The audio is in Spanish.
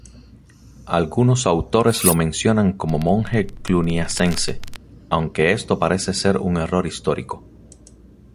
Algunos autores lo mencionan como monje cluniacense, aunque esto parece ser un error histórico.